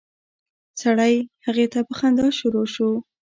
سړی هغې ته په خندا شروع شو.